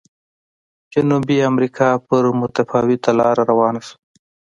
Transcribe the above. جنوبي امریکا پر متفاوته لار روانه شوه.